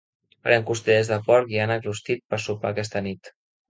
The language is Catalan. Farem costelles de porc i ànec rostit per sopar aquesta nit.